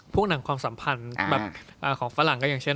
หนังความสัมพันธ์แบบของฝรั่งก็อย่างเช่น